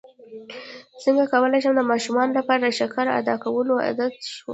څنګه کولی شم د ماشومانو لپاره د شکر ادا کولو عادت ښوول